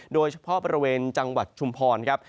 โดยเฉพาะบริเวณจังหวัดชุมพรครับ